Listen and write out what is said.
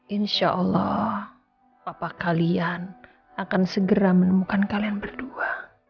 insya allah bapak kalian akan segera menemukan kalian berdua